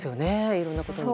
いろんなことに。